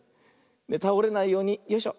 たおれないようによいしょ。